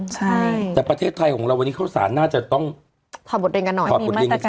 ใช่แต่ประเทศไทยของเราวันนี้เข้าสารน่าจะต้องถอดบทเรียนกันหน่อยถอดบทเรียน